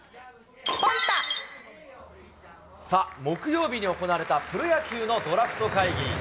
さあ、木曜日に行われたプロ野球のドラフト会議。